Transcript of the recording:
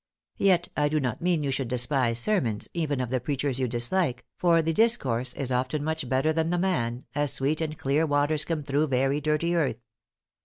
Yet I do not mean you should despise sermons, even of the preachers you dislike, for the discourse is often much better than the man, as sweet and clear waters come through very dirty earth.